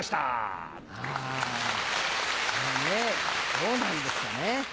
どうなんですかね。